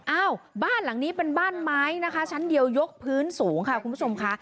อ้าวบ้านหลังนี้เป็นบ้านไม้นะคะชั้นเดียวยกพื้นสูงค่ะคุณผู้ชมค่ะ